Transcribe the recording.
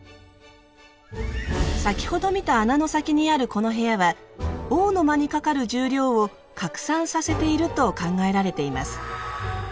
先ほど見た穴の先にあるこの部屋は「王の間」にかかる重量を拡散させていると考えられています。